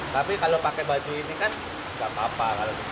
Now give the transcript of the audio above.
tapi kalau pakai baju ini kan nggak apa apa